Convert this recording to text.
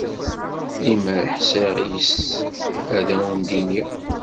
Limer ḥṣiƔ yes, ad awen-d-iniƔ.